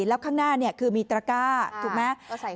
แล้วข้างหน้าคือมีตระก้าถูกไหม